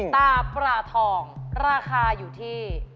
ตาประทองราคาอยู่ที่